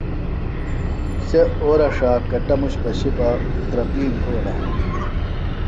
سےۡ اورہ ݜا کٹموش پشیۡ بہ اُترپِیم یھولہ ہنہ